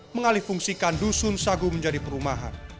mengalih fungsikan dusun sagu menjadi perumahan